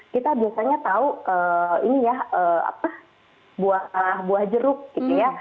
kita biasanya tahu buah jeruk gitu ya